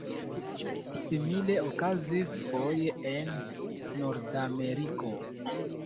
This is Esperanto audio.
Simile okazis foje en Nordameriko.